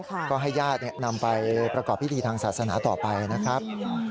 ก็ให้ญาตินำไปประกอบพิธีทางศาสนาต่อไปนะครับ